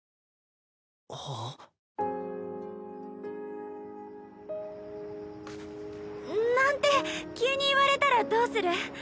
はっ？なんて急に言われたらどうする？